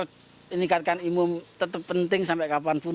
dan meningkatkan imum tetap penting sampai kapanpun